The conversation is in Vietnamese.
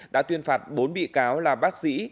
đã tuyên phạt bốn bị cáo là bác sĩ